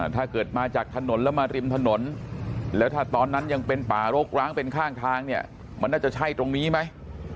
ถ้าเกิดมาจากถนนแล้วมาริมถนนแล้วถ้าตอนนั้นยังเป็นป่ารกร้างเป็นข้างทางเนี่ยมันน่าจะใช่ตรงนี้ไหม